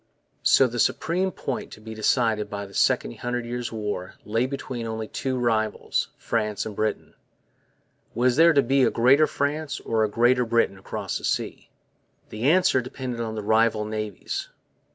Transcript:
So the one supreme point to be decided by the Second Hundred Years' War lay between only two rivals, France and Britain. Was there to be a Greater France or a Greater Britain across the seas? The answer depended on the rival navies.